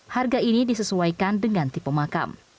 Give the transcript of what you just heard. harga ini disesuaikan dengan tipe makam